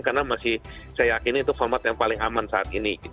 karena masih saya yakin itu format yang paling aman saat ini